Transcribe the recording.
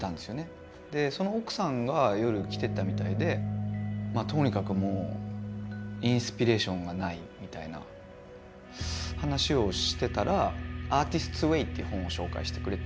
でその奥さんが夜来てたみたいでまあとにかくもうインスピレーションがないみたいな話をしてたら「アーティスツウェイ」っていう本を紹介してくれて。